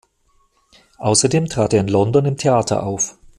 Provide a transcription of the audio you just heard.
Außerdem trat er in London im Theater auf.